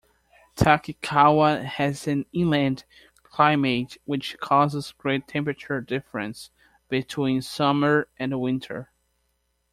Takikawa has an inland climate which causes great temperature difference between summer and winter.